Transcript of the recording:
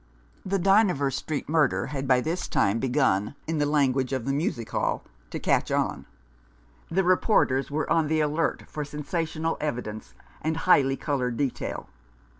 The Dynevor Street murder had by this time begun, in the language of the music hall, to " catch on." The reporters were on the alert for sensational evidence and highly coloured detail.